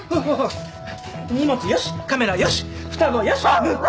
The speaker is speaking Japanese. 荷物よしカメラよし双子よしムック